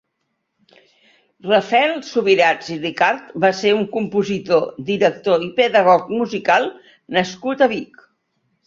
Rafael Subirachs i Ricart va ser un compositor, director i pedagog musical nascut a Vic.